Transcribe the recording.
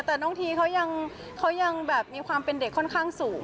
แต่น้องทีเขายังแบบมีความเป็นเด็กค่อนข้างสูง